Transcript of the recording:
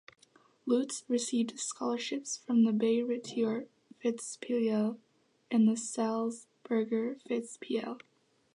Lutz received scholarships from the Bayreuther Festspiele and the Salzburger Festspiele.